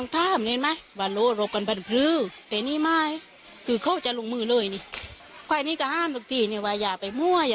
ที่เป็นคุณภาษาอาทิตย์